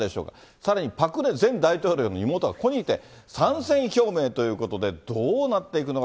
さらにパク・クネ前大統領の妹が、ここにきて参戦表明ということで、どうなっていくのか。